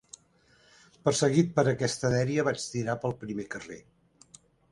Perseguit per aquesta dèria, vaig tirar pel primer carrer